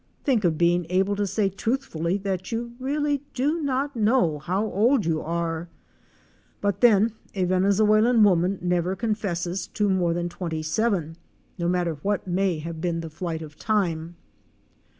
Think of being able to say truthfully that you really do not know how old you are! But then a Venezuelan woman never confesses to more than twenty seven, no matter what may have been the flight of time.